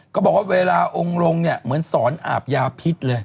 ก็บอกว่าเวลาองรงเหมือนศรอาบยาพิษเลย